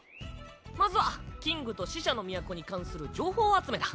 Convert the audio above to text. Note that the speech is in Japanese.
まずはキングと死者の都に関する情報集めだ。